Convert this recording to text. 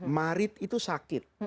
marid itu sakit